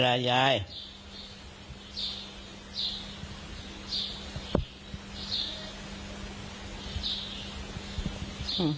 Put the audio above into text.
ท่านบอกฟิล์มไหม